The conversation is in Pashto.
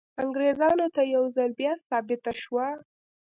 انګریزانو ته یو ځل بیا ثابته شوه.